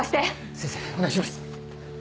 先生お願いします。